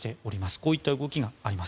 こういった動きがあります。